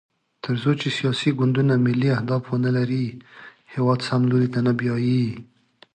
تر څو چې سیاسي ګوندونه ملي اهداف ونلري، هېواد سم لوري ته نه بیايي.